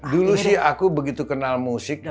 dulu sih aku begitu kenal musiknya